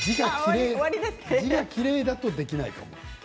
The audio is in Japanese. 字がきれいだとできないかも。